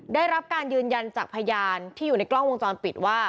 ได้รับการยืนยันจากพยานที่อยู่ในกล้องวงจรปิดว่า